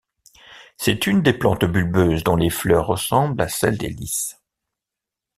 C'est une plante bulbeuse dont les fleurs ressemblent à celles des lys.